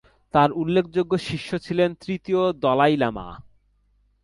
তার উল্লেখযোগ্য শিষ্য ছিলেন তৃতীয় দলাই লামা।